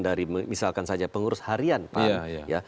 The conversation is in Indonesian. dari misalkan saja pengurus harian pan